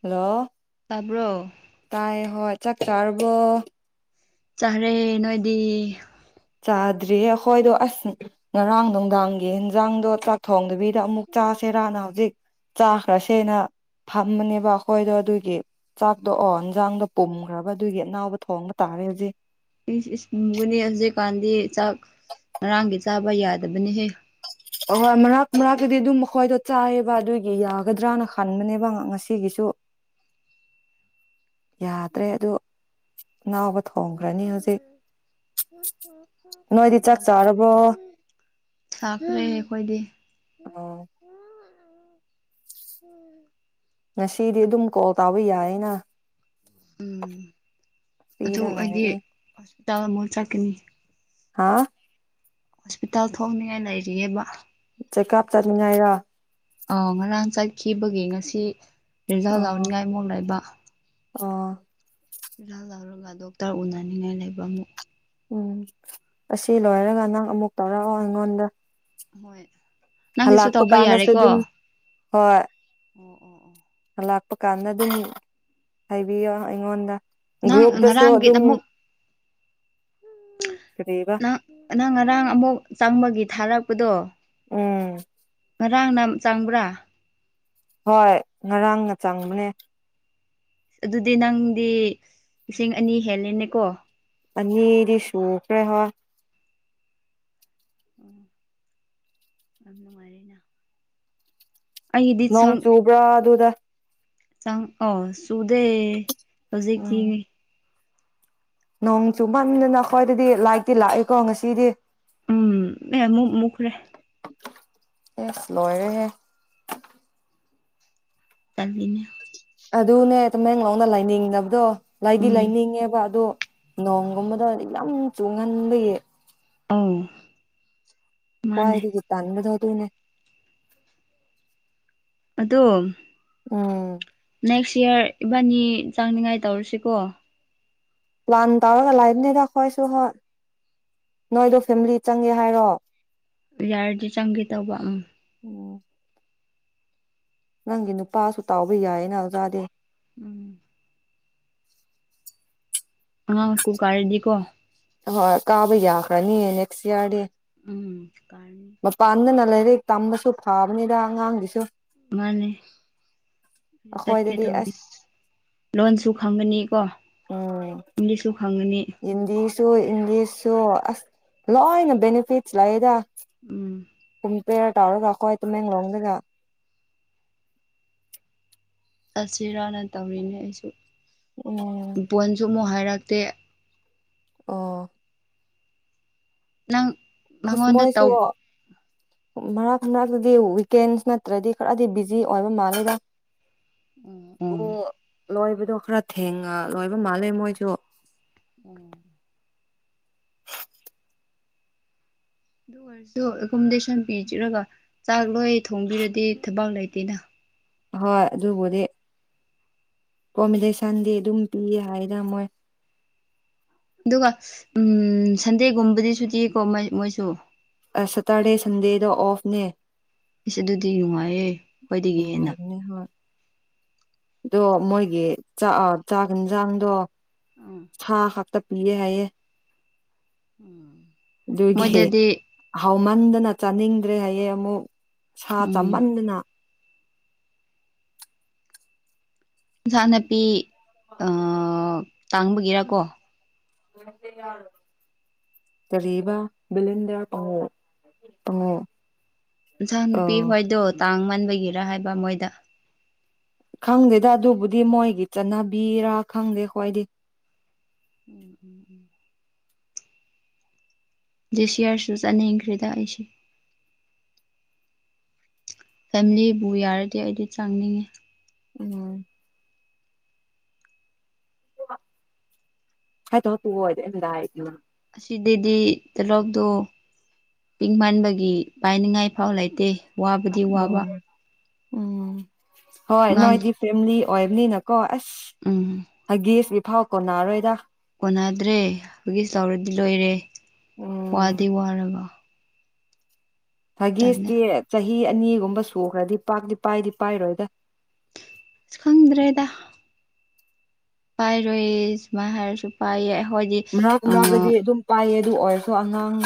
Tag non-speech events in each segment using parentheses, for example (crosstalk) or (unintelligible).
hello ꯇꯥꯕ꯭ꯔꯣ ꯇꯥꯏ ꯍꯣꯏ ꯆꯠꯀꯥꯔꯕꯨꯣ ꯆꯥꯔꯦ ꯅꯣꯏꯗꯤ ꯆꯥꯗ꯭ꯔꯤꯌꯦ ꯑꯩꯈꯣꯏꯗꯣ ꯑꯁ ꯉꯔꯥꯡ ꯅꯨꯡꯗꯥꯡꯒꯤ ꯌꯦꯟꯖꯥꯡꯗꯣ ꯆꯥꯛ ꯊꯣꯡꯗꯕꯤ ꯁꯤꯗ ꯑꯃꯨꯛ ꯆꯥꯁꯦꯔꯥꯅ ꯍꯧꯖꯤꯛ ꯆꯥꯈ꯭ꯔꯁꯦꯅ ꯐꯝꯕꯅꯦꯕ ꯑꯩꯈꯣꯏꯗꯣ ꯑꯗꯨꯒꯤ ꯆꯥꯛꯇꯣ ꯑꯣ ꯌꯦꯟꯖꯥꯡꯗꯣ ꯄꯨꯝꯈ꯭ꯔꯕ ꯑꯗꯨꯒꯤ ꯑꯅꯥꯎꯕ ꯊꯣꯡꯕ ꯇꯥꯔꯦ ꯍꯧꯖꯤꯛ ꯏꯁꯕꯨꯅꯤ ꯍꯧꯖꯤꯛꯀꯥꯟꯗꯤ ꯆꯥꯛ ꯉꯔꯥꯡꯒꯤ ꯆꯥꯕ ꯌꯥꯗꯕꯅꯤꯍꯦ ꯑꯍꯣꯏ ꯃꯔꯛ ꯃꯔꯥꯛꯀꯤꯗꯤ ꯑꯗꯨꯝ ꯃꯈꯣꯏꯗꯣ ꯆꯥꯏꯑꯕ ꯑꯗꯨꯒꯤ ꯌꯥꯒꯗ꯭ꯔꯅ ꯈꯟꯕꯅꯦꯕ ꯉꯁꯤꯒꯤꯁꯨ ꯌꯥꯗ꯭ꯔꯦ ꯑꯗꯨ ꯅꯥꯎꯕ ꯊꯣꯡꯈ꯭ꯔꯅꯤ ꯍꯧꯖꯤꯛ ꯀ ꯅꯣꯏꯗꯤ ꯆꯥꯛ ꯆꯥꯔꯕ꯭ꯔꯣ ꯆꯥꯛꯈ꯭ꯔꯦ ꯑꯩꯈꯣꯏꯗꯤ ꯑꯣ ꯉꯁꯤꯗꯤ ꯑꯗꯨꯝ ꯀꯣꯜ ꯇꯥꯕ ꯌꯥꯏ ꯑꯩꯅ ꯄꯤꯗ ꯂꯒ ꯇꯥꯃꯣꯜ ꯆꯥꯛꯅꯤ ꯍꯥꯥ ꯍꯣꯁꯄꯤꯇꯥꯜ ꯊꯣꯛꯅꯤꯡꯉꯥꯏ ꯂꯩꯔꯤꯑꯦꯕ ꯆꯦꯛꯀꯥꯞ ꯆꯠꯅꯤꯡꯉꯥꯏꯔꯣ ꯑ ꯉꯔꯥꯡ ꯆꯠꯈꯤꯕꯒꯤ ꯉꯁꯤ ꯑꯥ ꯖꯜꯒꯥꯎꯅꯤꯉꯥꯏꯃꯣꯟ ꯂꯩꯕ ꯑꯥ ꯏꯖ ꯂꯧꯔꯒ ꯗꯣꯛꯇꯔ ꯎꯅꯅꯤꯡꯉꯥꯏ ꯂꯩꯕ ꯑꯃꯨꯛ ꯎꯝ ꯑꯁꯤ ꯂꯣꯏꯔꯒ ꯅꯪ ꯑꯃꯨꯛ ꯇꯧꯔꯛꯑꯣ ꯑꯩꯉꯣꯟꯗ ꯍꯣꯏ ꯅꯪꯒꯤꯁꯨ ꯂꯥꯛꯄ ꯇꯧꯕ ꯀꯥꯟꯗꯁꯨ ꯌꯥꯔꯦꯀꯣ ꯑꯗꯨꯝ ꯍꯣꯏ ꯑꯣ ꯑꯣ ꯑꯣ ꯂꯥꯛꯄ ꯀꯥꯟꯗ ꯑꯗꯨꯝ ꯍꯥꯏꯕꯤꯌꯣ ꯑꯩꯉꯣꯟꯗ ꯅꯪ ꯒ꯭ꯔꯨꯞꯇꯁꯨ ꯉꯔꯥꯡꯒꯤ ꯑꯗꯨꯝ ꯑꯃꯨꯛ ꯀꯔꯤꯕ ꯅꯪ ꯅꯪ ꯉꯔꯥꯡ ꯑꯃꯨꯛ ꯆꯪꯕꯒꯤ ꯊꯥꯔꯛ ꯀꯨꯗꯣꯡ ꯎꯝ ꯉꯔꯥꯡ ꯅ ꯆꯪꯕ꯭ꯔꯥ ꯍꯣꯏ ꯉꯔꯥꯡꯅ ꯆꯪꯕꯅꯦ ꯑꯗꯨꯗꯤ ꯅꯪꯗꯤ ꯂꯤꯁꯤꯡ ꯑꯅꯤ ꯍꯦꯂꯦꯅꯦꯀꯣ ꯑꯅꯤꯗꯤ ꯁꯨꯈ꯭ꯔꯦ ꯍꯣ ꯎꯝ ꯑꯅ ꯃꯔꯤꯅ ꯅꯣꯡ ꯆꯨꯕ꯭ꯔꯥ ꯑꯗꯨꯗ ꯆꯪ ꯑ ꯆꯨꯗꯦ ꯍꯧꯖꯤꯛꯇꯤ ꯎꯝ ꯅꯣꯡ ꯆꯨꯃꯟꯗꯅ ꯑꯩꯈꯣꯏꯗꯗꯤ ꯂꯥꯏꯔꯤꯛꯇꯤ ꯂꯥꯛꯑꯦꯀꯣ ꯉꯁꯤꯗꯤ ꯎꯝ ꯑꯦ ꯃꯈꯔꯦ ꯁ ꯂꯣꯏ ꯔꯦꯍꯦ ꯆꯠꯂꯤꯅꯦ ꯑꯗꯨꯅꯦ ꯇꯃꯦꯦꯡ ꯂꯥꯎꯅ ꯂꯥꯏꯅꯤꯡꯗꯕꯗꯣ ꯂꯩꯗꯤ ꯎꯝ ꯂꯩꯅꯤꯡꯉꯦꯕ ꯑꯗꯣ ꯅꯣꯡꯒꯨꯝꯕꯗ ꯌꯥꯝ ꯆꯨꯡꯍꯟꯕꯌꯦ ꯑꯣ ꯐꯋꯥꯏꯔꯤ ꯇ ꯊ ꯑꯗꯨꯅ ꯑꯗꯣ ꯎꯝ ꯅꯦꯛꯁ ꯏꯌꯥꯔ ꯏꯕꯥꯅꯤ ꯆꯥꯅꯤꯉꯥꯏ ꯇꯧꯔꯁꯤꯀꯣ ꯄ꯭ꯂꯥꯟ ꯇꯧꯔꯒ ꯂꯥꯛꯏꯕꯅꯤꯗ ꯑꯩꯈꯣꯏꯁꯨ ꯍꯣꯏ ꯅꯣꯏꯗꯣ ꯐꯦꯃꯤꯂꯤ ꯆꯪꯉꯦ ꯍꯥꯏꯔꯣ ꯌꯥꯔꯗꯤ ꯆꯪꯒꯦ ꯇꯧꯕ ꯎꯝ ꯑꯣ ꯅꯪꯒꯤꯅ ꯄꯥꯁꯨ ꯇꯕ ꯌꯥꯌꯦ ꯅꯖꯗꯦ ꯎꯝ ꯑꯉꯥꯡ ꯁꯀꯨꯜ ꯀꯥꯔꯗꯤꯀꯣ ꯍꯣꯏ ꯀꯥꯕ ꯌꯥꯈ꯭ꯔꯅꯤꯌꯦ ꯅꯦꯛꯁ ꯌꯥꯔꯗꯦ ꯎꯝ ꯀꯥꯔꯅꯤ ꯃꯄꯅꯗꯅ‌ꯦ ꯂꯥꯏꯔꯤꯛ ꯇꯝꯕꯁꯨ ꯐꯥꯕꯅꯤꯗ ꯑꯉꯥꯡꯒꯤꯁꯨ ꯃꯥꯅꯦ ꯆꯠꯀꯦ ꯑꯩꯈꯣꯏꯗꯗꯤ ꯇꯧꯔꯤ ꯑꯁ ꯂꯣꯟꯁꯨ ꯈꯪꯒꯅꯤ ꯀꯣ ꯎꯝ ꯏꯪꯂꯤꯁꯨ ꯈꯊꯉꯅꯤ ꯁꯣ ꯏꯪꯂꯤꯁ ꯁꯣ ꯑꯁ ꯂꯣꯏꯅ ꯕꯅꯤꯐꯤꯠꯁ ꯂꯩꯑꯦꯗ ꯎꯝ (unintelligible) ꯇꯥꯎꯔꯒ ꯑꯩꯏ ꯇꯥꯃꯦꯡꯂꯣꯡꯗꯒ ꯑꯁꯤꯁꯤꯔꯥꯅ ꯇꯧꯔꯤꯅꯦ ꯑꯩꯁꯨ ꯎꯝ ꯕ‌ꯣꯟꯖꯨ ꯃꯨꯛ ꯍꯥꯏꯔꯥ ꯇ‌ꯦ ꯑꯣ ꯅꯪ ꯃꯉꯣꯟꯗ ꯑꯁꯃꯣꯏꯁꯨ ꯇꯧ ꯃꯔꯛ ꯑꯃꯥꯕꯨꯗꯤ ꯋꯤꯛꯀꯦꯟꯁ ꯅꯠꯇ꯭ꯔꯗꯤ ꯈꯔꯗꯤ ꯕꯤꯖꯤ ꯑꯣꯏꯕ ꯃꯥꯜꯂꯦꯗ ꯎꯝ ꯑꯣ ꯎꯝ ꯂꯣꯏꯕꯗꯣ ꯈꯔ ꯊꯦꯡꯉ ꯂꯣꯏꯕ ꯃꯥꯜꯂꯦ ꯃꯣꯏꯁꯨ ꯎꯝ ꯑꯗꯨ ꯑꯣꯏꯔꯁꯨ ꯑꯦꯀꯣꯃꯣꯗꯦꯁꯟ ꯄꯤꯖꯔꯒ ꯆꯥꯛꯄ ꯂꯣꯏ ꯊꯣꯡꯕꯤꯔꯗꯤ ꯊꯕꯛ ꯂꯩꯇꯦꯅ ꯍꯣꯏ ꯑꯗꯨꯕꯨꯗꯤ ꯑꯦꯀꯣꯃꯤꯗꯦꯁꯟꯗꯤ ꯑꯗꯨꯝ ꯄꯤꯌꯦ ꯍꯥꯏꯅ ꯃꯣꯏ ꯑꯗꯨꯒ ꯎꯝ ꯁꯟꯗꯦꯒꯨꯝꯕꯗꯤ ꯁꯨꯇꯤꯀꯣꯏ ꯃꯣꯏꯁꯨ ꯁꯇꯔꯗꯦ ꯁꯟꯗꯦꯗ ꯑꯣꯐꯅꯦ ꯑꯩꯁ ꯑꯗꯨꯗꯤ ꯅꯨꯡꯉꯥꯏꯌꯦ ꯈ꯭ꯣꯏꯗꯒꯤ ꯍꯦꯟꯅ ꯑꯣꯗꯣ ꯃꯣꯏꯒꯤ ꯆꯥꯛ ꯆꯥꯛ ꯌꯦꯟꯖꯥꯡꯗꯣ ꯎꯝ ꯍꯥ ꯍꯥ ꯇꯄꯤꯌꯦ ꯍꯥꯏ ꯎꯝ ꯗꯨꯒꯤ ꯃꯣꯏꯗꯗꯤ ꯑꯍꯥꯑꯣ ꯆꯃꯟꯗꯅ ꯆꯥꯅꯤꯡꯗ꯭ꯔꯦ ꯍꯌꯦꯡ ꯑꯃꯨꯛ ꯁꯥ ꯆꯥꯃꯟꯗꯅ ꯏꯟꯁꯥꯡ ꯅꯥꯄꯤ ꯇꯥꯡꯕꯒꯤꯔꯀꯣ ꯀꯔꯤꯕꯥ ꯕꯤꯗ ꯄꯉ ꯄꯉꯣ ꯁꯍꯟꯨꯄꯤ ꯍꯣꯏꯗꯣ ꯇꯥꯡ ꯃꯟꯕꯒꯤꯔ ꯍꯥꯏꯕ ꯃꯣꯏꯗ ꯈꯪꯗꯦꯗ ꯑꯗꯨꯕꯨꯗꯤ ꯃꯣꯏꯒꯤ ꯆꯠꯅꯕꯤꯔ ꯈꯪꯗꯦ ꯈ꯭ꯋꯥꯏꯗꯤ ꯎꯝ ꯎꯝ ꯎꯝ ꯦꯁꯤꯌꯥꯔꯁꯨꯁ ꯑꯅꯈ꯭ꯔꯤꯗꯥ ꯑꯩꯁ ꯐꯦꯃꯤꯂꯤꯕꯨ ꯌꯥꯔꯗꯤ ꯑꯩꯗꯤ ꯆꯪꯅꯤꯡꯉꯤ ꯎꯝ ꯍꯥꯏ ꯇ ꯑꯣꯏꯗ ꯑꯗ ꯑꯁꯤꯗꯗꯤ ꯇꯦꯂꯣꯞꯇꯣ ꯄꯤꯡ ꯃꯟꯥꯟꯕꯒꯤ ꯄꯥꯏꯅꯤꯡꯉꯥꯏ ꯐꯥꯎ ꯂꯩꯇꯦ ꯋꯥꯕꯗꯤ ꯋꯥꯕ ꯎꯝ ꯎꯝ ꯍꯣꯏ ꯑꯉꯥꯡ ꯅꯣꯏꯗꯤ ꯐꯦꯂꯤ ꯑꯣꯏꯕꯅꯤꯅꯀꯣ ꯎꯝ ꯑꯁ ꯍꯥꯏꯒꯦꯁ ꯐꯥꯎ ꯀꯣ ꯅꯥꯔꯣꯏꯗ ꯀꯣꯟꯅꯗ꯭ꯔꯦ ꯍꯧꯒꯤ ꯆꯥꯎꯔꯗꯤ ꯂꯣꯏꯔꯦ ꯎꯝ ꯋꯥꯗꯤ ꯋꯥꯔꯕ ꯇꯜꯂꯦ ꯊꯒꯁꯇꯦ ꯆ ꯆꯍꯤ ꯑꯅꯤꯒꯨꯝꯕ ꯁꯨꯈ꯭ꯔꯗꯤ ꯄꯥꯛꯇꯤ ꯄꯥꯏꯗꯤ ꯄꯥꯏꯔꯣꯏꯗ ꯑꯁ ꯈꯪꯗ꯭ꯔꯦꯗ ꯄꯥꯏꯔꯣꯏ ꯏꯁꯃ ꯍꯥꯏꯔꯁꯨ ꯄꯥꯏꯌꯦ ꯑꯩꯈꯣꯏꯗꯤ ꯑ ꯎꯝ ꯃꯥꯒꯗꯤ ꯑꯗꯨꯝ ꯄꯥꯏꯑ ꯑꯗꯨ ꯑꯣꯏꯔꯁꯨ ꯑꯉꯥꯡ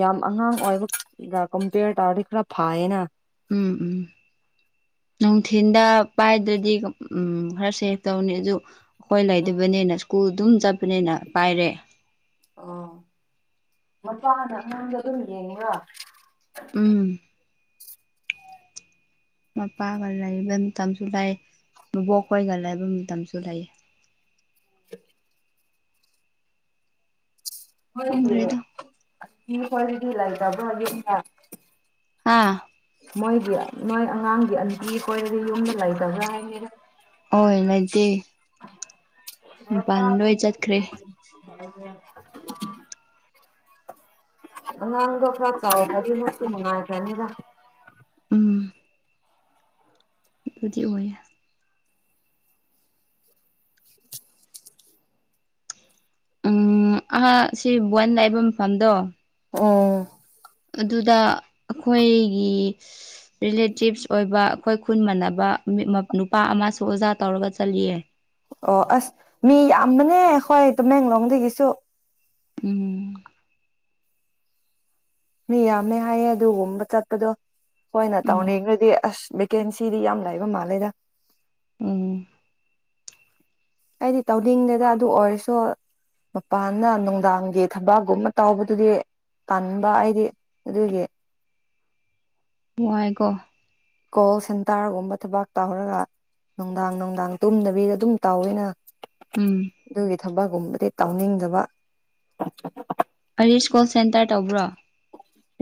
ꯌꯥꯝ ꯑꯉꯥꯡ ꯑꯣꯏꯕꯒ ꯀꯝꯄꯦꯌꯔ ꯇꯧꯔꯗꯤ ꯈꯔ ꯐꯌꯦꯅ ꯎꯝ ꯎꯝ ꯅꯨꯡꯊꯤꯟꯗ ꯄꯥꯏꯗ꯭ꯔꯗꯤ ꯎꯝ ꯈꯔ ꯁꯦꯦꯛ ꯇꯧꯅꯤ ꯑꯗꯨ ꯍꯣꯏ ꯎꯝ ꯂꯩꯗꯕꯅꯦꯅ ꯁ꯭ꯀꯨꯜ ꯑꯗꯨꯝ ꯆꯠꯄꯅꯤꯅ ꯄꯥꯏꯔꯦ ꯑꯣ ꯃꯄꯥꯅ ꯑꯉꯥꯡꯗ ꯑꯗꯨꯝ ꯌꯦꯡꯉꯤꯔ ꯎꯝ ꯃꯄꯥꯒ ꯂꯩꯕ ꯃꯇꯝꯁꯨ ꯂꯩ ꯃꯕꯣꯛꯈꯣꯏꯒ ꯂꯩꯕ ꯃꯇꯝꯁꯨ ꯂꯩ (inaudible) ꯈꯪꯗ꯭ꯔꯦꯗ ꯃꯅꯤ ꯀ꯭ꯋꯥꯂꯤꯇꯤ ꯂꯥꯛ ꯇꯕ꯭ꯔꯒꯤ ꯑꯥ ꯃꯣꯏꯗꯤ ꯅꯣꯏ ꯑꯉꯥꯡꯗꯤ ꯑꯟꯇꯤ ꯀꯣꯏꯔꯗꯤ ꯌꯨꯝꯗ ꯂꯩꯇꯕ꯭ꯔꯥ ꯍꯥꯏꯅꯤꯗ ꯍ ꯂꯩꯥꯏꯇꯦ (inaudible) ꯍ ꯇ ꯆꯠꯈ꯭ꯔꯦ ꯍ ꯑꯉꯥꯡꯒ ꯈꯔ ꯆꯥꯎꯒꯗꯤ ꯃꯁꯨ ꯃꯅꯨꯡꯉꯥꯏꯖꯅꯤꯗ ꯗꯤ ꯑꯦ (inaudible) ꯎꯝ ꯑꯍꯥꯛ ꯁꯤ ꯕꯟ ꯂꯏꯕ ꯃꯐꯝꯗꯣ ꯑꯣ ꯑꯗꯨꯗ ꯑꯈꯣꯏꯒꯤ ꯁꯍꯍ ꯔꯤꯂꯦꯇꯤꯞꯁ ꯑꯣꯏꯕ ꯑꯩꯈꯣꯏ ꯈꯨꯟ ꯃꯥꯟꯅꯕ ꯃꯤ ꯃ ꯅꯨꯄꯥ ꯑꯃꯁꯨ ꯑꯣꯖꯥ ꯇꯧꯔꯒ ꯆꯜꯂꯤꯌꯦ ꯑꯣ ꯑꯁ ꯃꯤ ꯌꯥꯝꯕꯅꯦ ꯑꯈꯣꯏ ꯇꯃꯦꯡꯂꯣꯡꯗꯒꯤꯁꯨ ꯎꯝ ꯃꯤ ꯌꯥꯝꯃꯦ ꯍꯥꯏꯌꯦ ꯑꯗꯨꯒꯨꯝꯕ ꯆꯠꯄꯗꯣ ꯑꯩꯈꯣꯏꯅ ꯎꯝ ꯇꯧꯅꯤꯡꯈ꯭ꯔꯗꯤ ꯑꯁ ꯚꯦꯀꯦꯟꯁꯤꯗꯤ ꯌꯥꯝ ꯂꯩꯕ ꯃꯥꯜꯂꯦꯗ ꯎꯝ ꯑꯩꯗꯤ ꯇꯧꯅꯤꯡꯗꯦꯗ ꯑꯗꯨ ꯑꯣꯏꯔꯁꯨ ꯃꯄꯥꯟꯗ ꯅꯨꯡꯗꯥꯡꯒꯤ ꯊꯕꯛꯒꯨꯝꯕ ꯇꯧꯕꯗꯨꯗꯤ ꯇꯥꯟꯕ ꯑꯩꯗꯤ ꯑꯗꯨꯒꯤ ꯅꯨꯡꯉꯥꯏꯒꯣ ꯀꯣꯜ ꯁꯦꯟꯇꯔꯒꯨꯝꯕ ꯊꯕꯛ ꯇꯧꯍꯔꯒ ꯅꯨꯡꯗꯥꯡ ꯅꯨꯡꯗꯥꯡ ꯇꯨꯝꯗꯕꯤꯗ ꯑꯗꯨꯝ ꯇꯧꯋꯤꯅ ꯎꯝ ꯑꯗꯨꯒꯤ ꯊꯕꯛꯀꯨꯝꯕꯗꯤ ꯇꯧꯅꯤꯡꯗꯕ ꯑꯔꯤꯁ ꯀꯣꯜ ꯁꯦꯟꯇꯔ ꯇꯧꯕ꯭ꯔꯣ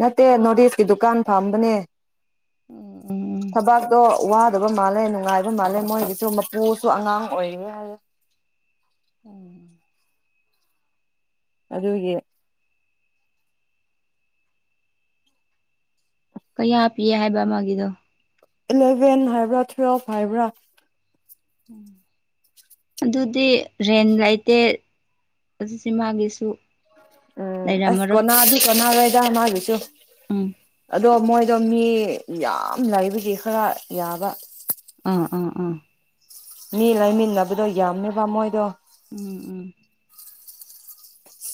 ꯅꯠꯇꯦ ꯅꯣꯔꯠ ꯏꯁꯀꯤ ꯗꯨꯀꯥꯟ ꯐꯝꯕꯅꯦ ꯎꯝ ꯊꯕꯥꯛꯇꯣ ꯋꯥꯗꯕ ꯃꯥꯜꯂꯦ ꯅꯨꯡꯉꯥꯏꯕ ꯃꯥꯜꯂꯦ ꯃꯣꯏꯒꯤꯁꯨ ꯃꯄꯨꯁꯨ ꯑꯉꯥꯡ ꯑꯣꯏꯔꯤ ꯍꯥꯏꯌꯦ ꯎꯝ ꯑꯗꯨꯒꯤ ꯀꯌꯥ ꯄꯤꯌꯦ ꯍꯥꯏꯕ ꯃꯥꯒꯤꯗꯣ ꯏꯂꯦꯚꯦꯟ ꯍꯥꯏꯕ꯭ꯔꯥ ꯇꯨꯋꯦꯜꯐ ꯍꯥꯏꯕ꯭ꯔꯥ ꯎꯝ ꯑꯗꯨꯗꯤ ꯔꯦꯟ ꯂꯩꯇꯦ ꯑꯗꯨꯗꯤ ꯃꯥꯒꯤꯁꯨ ꯎꯝ ꯑꯁ ꯂꯩꯔꯝꯃꯔꯣꯏ ꯀꯣꯅꯥꯗꯤ ꯀꯣꯟꯅꯔꯣꯏ ꯗꯥ ꯃꯥꯒꯤꯁꯨ ꯎꯝ ꯑꯗꯣ ꯃꯣꯏ ꯑꯗꯣ ꯃꯤ ꯌꯥꯝ ꯂꯩꯏꯕꯒꯤ ꯈꯔ ꯌꯥꯕ ꯑꯥ ꯑꯥ ꯑꯥ ꯃꯤ ꯂꯩꯃꯤꯟꯅꯕꯗꯣ ꯌꯥꯝꯃꯦꯕ ꯃꯣꯏꯗꯣ ꯎꯝ ꯎꯝ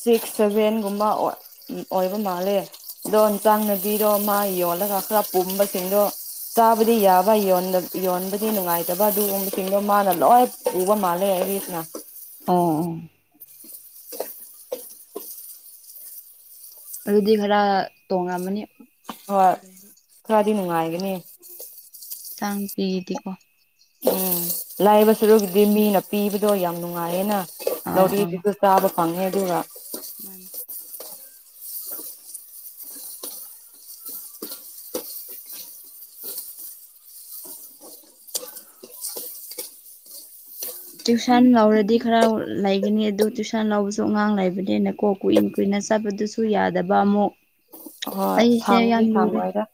ꯁꯤꯛꯁ ꯁꯚꯦꯟꯒꯨꯝꯕ ꯑꯣꯏ ꯎꯝ ꯑꯣꯏꯕ ꯃꯥꯜꯂꯦ ꯑꯗꯣ ꯍꯤꯟꯆꯥꯡ ꯅꯥꯄꯤꯗꯣ ꯃꯥ ꯌꯣꯜꯂꯒ ꯈꯔ ꯄꯨꯝꯕꯁꯤꯡꯗꯣ ꯆꯥꯕꯗꯤ ꯌꯥꯕ ꯌꯣꯟꯗ ꯌꯣꯟꯕꯗꯤ ꯅꯨꯡꯉꯥꯏꯇꯕ ꯑꯗꯨꯒꯨꯝꯕꯁꯤꯡꯗꯣ ꯃꯥꯅ ꯂꯣꯏ ꯄꯨꯕ ꯃꯥꯜꯂꯦ ꯑꯦꯔꯤꯁꯅ ꯑꯣ ꯑꯣ ꯑꯗꯨꯗꯤ ꯈꯔ ꯇꯣꯡꯉꯥꯝꯃꯅꯤ ꯗꯤ ꯅꯨꯡꯉꯥꯏꯒꯅꯤ ꯆꯥꯡ ꯄꯤꯔꯤꯗꯤꯀꯣ ꯎꯝ ꯂꯥꯏꯕ ꯁꯨꯔꯨꯒꯤꯗꯤ ꯃꯤꯅ ꯄꯤꯕꯗꯣ ꯌꯥꯝ ꯅꯨꯡꯉꯥꯏꯌꯦꯅ ꯑꯧ ꯅꯣꯔꯠ ꯑꯧ ꯏꯁꯇꯁꯨ ꯆꯥꯕ ꯐꯪꯉꯦ ꯑꯗꯨꯒ ꯃꯥꯅꯤ ꯂꯧꯁꯤꯟꯕ ꯉꯝꯗꯕ ꯇ꯭ꯌꯨꯁꯟ ꯂꯧꯔꯗꯤ ꯈꯔ ꯂꯩꯒꯅꯤ ꯑꯗꯨ ꯇꯨꯏꯁꯟ ꯂꯧꯕꯁꯨ ꯑꯉꯥꯡ ꯂꯩꯕꯅꯤꯅꯀꯣ ꯀꯨꯏꯅ ꯀꯨꯏꯅ ꯆꯠꯄꯗꯨꯁꯨ ꯌꯥꯗꯕ ꯑꯃꯨꯛ ꯍꯣꯏ ꯑꯩꯁꯦ ꯁꯥꯡꯕꯗꯤ ꯌꯥꯝ ꯂꯨꯔꯦ ꯁꯥꯡꯉꯣꯏꯗ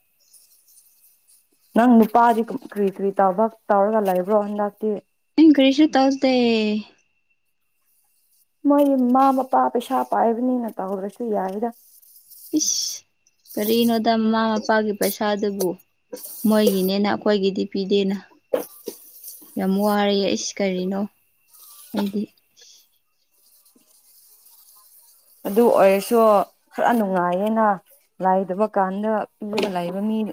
ꯅꯪ ꯅꯨꯄꯥꯗꯤ ꯀꯝ ꯀ꯭ꯔꯤ ꯀ꯭ꯔꯤ ꯇꯧꯕꯛ ꯇꯧꯔꯒ ꯂꯩꯕ꯭ꯔꯣ ꯍꯟꯗꯛꯇꯤ ꯏꯪ ꯀꯔꯤꯁꯨ ꯇꯧꯗꯦ ꯃꯣꯏꯒꯤ ꯃꯃꯥ ꯃꯄꯥ ꯄꯩꯁꯥ ꯄꯥꯏꯕꯅꯤꯅ ꯇꯧꯗ꯭ꯔꯁꯨ ꯌꯥꯏꯗ ꯏꯁ ꯁꯥꯗꯕꯨ ꯃꯣꯏꯒꯤꯅꯦꯅ ꯑꯩꯈꯣꯏꯒꯤꯗꯤ ꯄꯤꯗꯦꯅ ꯌꯥꯝ ꯋꯥꯔꯌꯦ ꯑꯩꯁ ꯀꯔꯤꯅꯣ ꯍꯥꯏꯗꯤ ꯑꯗꯨ ꯑꯣꯏꯔꯁꯨ ꯈꯔ ꯅꯨꯡꯉꯥꯏꯌꯦꯅ ꯂꯥꯏꯗꯕ ꯀꯥꯟꯗꯂꯒ ꯂꯩꯕ ꯃꯤꯗꯤ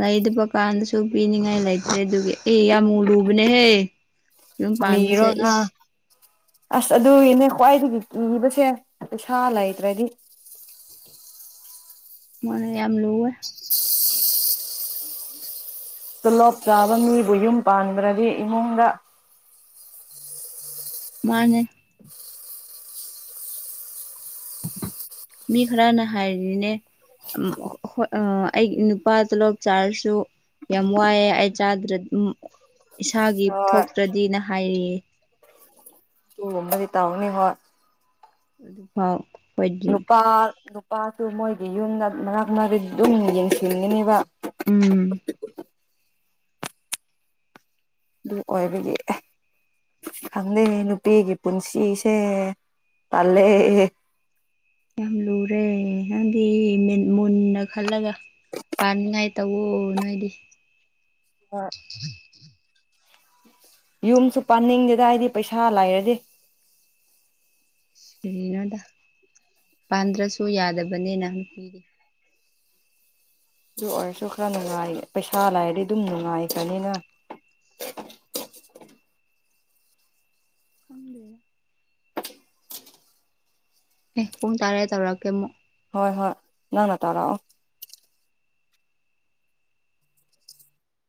ꯂꯩꯗꯕ ꯀꯥꯟꯗꯁꯨ ꯄꯤꯅꯤꯡꯉꯥꯏ ꯂꯩꯇꯦ ꯑꯗꯨꯒꯤ ꯑꯦ ꯌꯥꯝ ꯃꯨ ꯂꯨꯕꯅꯦꯍꯦ ꯌꯨꯝ ꯄꯥꯟꯕꯁꯦ ꯅꯤꯔꯣꯅ ꯏꯁ ꯑꯁ ꯑꯗꯨꯒꯤꯅꯦ ꯈ꯭ꯋꯥꯏꯗꯒꯤ ꯀꯤꯕꯁꯦ ꯄꯩꯁꯥ ꯂꯩꯇ꯭ꯔꯗꯤ ꯃꯅ ꯌꯥꯝ ꯂꯨꯦ ꯍꯁꯄꯝꯃꯗꯦ ꯇꯣꯂꯣꯞ ꯆꯥꯕ ꯃꯤꯕꯨ ꯌꯨꯝ ꯄꯥꯟꯕ꯭ꯔꯗꯤ ꯏꯃꯨꯡꯗ ꯃꯥꯅꯦ ꯃꯤ ꯈꯔꯅ ꯍꯥꯏꯔꯤꯅꯦ ꯑꯩ ꯅꯨꯄꯥ ꯇꯣꯂꯣꯞ ꯆꯥꯔꯁꯨ ꯌꯥꯝ ꯋꯥꯏꯑꯦ ꯑꯩ ꯆꯥꯗ꯭ꯔ ꯏꯁꯥꯒꯤ ꯍꯣꯏ ꯊꯣꯛꯇ꯭ꯔꯗꯤ ꯅꯍ ꯍꯥꯏꯔꯤꯌꯦ ꯇꯨꯒꯨꯝꯕꯗꯤ ꯇꯧꯅꯤ ꯍꯣꯏ ꯑꯗꯨꯐꯥꯎ ꯑꯩꯈꯣꯏꯗꯤ ꯅꯨꯄꯥ ꯅꯨ ꯄꯥꯠꯇꯨ ꯃꯣꯏꯒꯤ ꯌꯨꯝꯗ ꯃꯔꯛ ꯃꯔꯛꯇ ꯂꯨꯝꯅ ꯌꯦꯡꯁꯤꯟꯒꯅꯤꯕ ꯎꯝ ꯑꯗꯨ ꯑꯣꯏꯕꯒꯤ ꯈꯪꯗꯦ ꯅꯨꯄꯤꯒꯤ ꯄꯨꯟꯁꯤꯁꯦ ꯄꯜꯂꯦ ꯌꯥꯝ ꯂꯨꯔꯦ ꯅꯪꯗꯤ ꯃꯨꯟꯅ ꯈꯜꯂꯒ ꯄꯥꯅꯤꯉꯥꯏ ꯇꯧꯋ ꯅꯣꯏꯗꯤ ꯋꯥ ꯌꯨꯝꯁꯨ ꯄꯥꯅꯤꯡꯗꯦꯗ ꯍꯥꯏꯗꯤ ꯄꯩꯁꯥ ꯂꯥꯏꯔꯗꯤ ꯁꯂꯤꯅꯥꯣꯗ ꯄꯥꯟꯗ꯭ꯔꯁꯨ ꯌꯥꯗꯕꯅꯤꯅ ꯅꯨꯄꯤꯗꯤ ꯑꯗꯨ ꯑꯣꯏꯔꯁꯨ ꯈꯔ ꯅꯨꯡꯉꯥꯏ ꯄꯩꯁꯥ ꯂꯩꯔꯗꯤ ꯑꯗꯨꯝ ꯅꯨꯡꯉꯥꯏꯈꯅꯤꯅ ꯀꯝ ꯂ ꯑꯦ ꯄꯨꯡ ꯇꯔꯦ ꯇꯧꯔꯛꯀꯦ ꯑꯃꯨꯛ ꯍꯣꯏ ꯍꯣꯏ ꯅꯪꯅ ꯇꯧꯔꯥꯛꯑꯣ